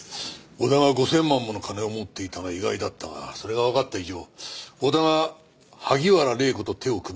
小田が５０００万もの金を持っていたのは意外だったがそれがわかった以上小田は萩原礼子と手を組み